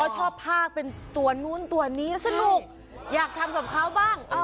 ชอบภาคเป็นตัวนู้นตัวนี้สนุกอยากทำกับเขาบ้าง